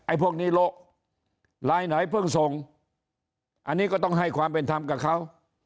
พวกนี้โละลายไหนเพิ่งส่งอันนี้ก็ต้องให้ความเป็นธรรมกับเขา